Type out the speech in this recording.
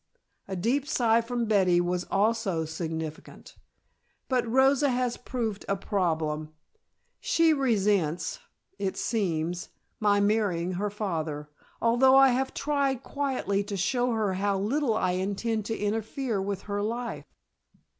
A deep sigh from Betty was also significant. "But Rosa has proved a problem. She resents, it seems, my marrying her father, although I have tried quietly to show her how little I intend to interfere with her life."